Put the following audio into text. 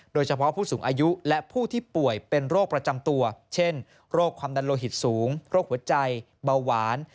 โดยเฉพาะผู้สูงอายุและผู้ที่ป่วยเป็นโรคประจำตัวเช่นโรคความดันโลหิตสูงโรคหัวใจเบาหวาน